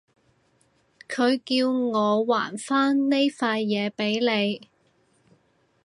佢叫我還返呢塊嘢畀你